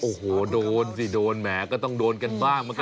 โอ้โหโดนสิโดนแหมก็ต้องโดนกันบ้าง